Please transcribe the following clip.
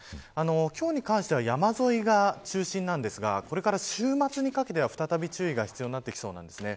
今日に関しては山沿いが中心なんですがこれから週末にかけては、再び注意が必要になってきます。